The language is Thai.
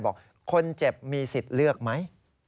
ฟังเสียงอาสามูลละนิทีสยามร่วมใจ